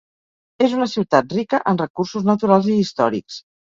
És una ciutat rica en recursos naturals i històrics.